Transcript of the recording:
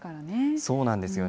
そうなんですよね。